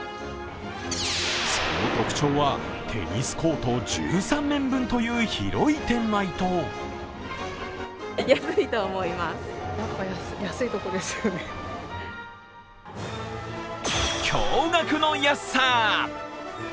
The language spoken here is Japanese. その特徴はテニスコート１３面分という広い店内と驚がくの安さ。